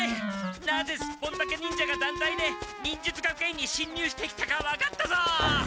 なぜスッポンタケ忍者がだんたいで忍術学園にしんにゅうしてきたか分かったぞ！